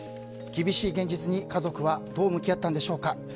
厳しい現実に家族はどう向き合ったんでしょうか。